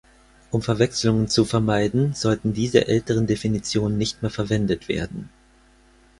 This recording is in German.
Um Verwechslungen zu vermeiden sollten diese älteren Definitionen nicht mehr verwendet werden.